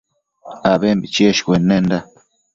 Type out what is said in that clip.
abembi cheshcuennenda